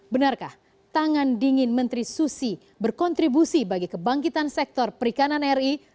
benarkah tangan dingin menteri susi berkontribusi bagi kebangkitan sektor perikanan ri